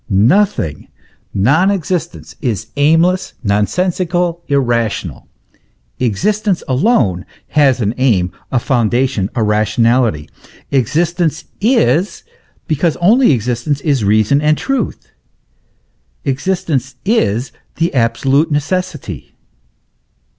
Nothing, non existence, is aimless, nonsensical, irrational. Existence alone has an aim, a foundation, rationality; exist ence is, because only existence is reason and truth ; existence is the absolute necessity.